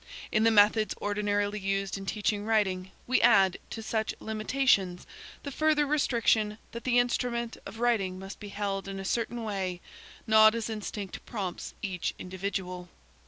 In the methods ordinarily used in teaching writing, we add, to such limita tions, the further restriction that the instrument of writing must be held in a certain way, not as instinct prompts each individual.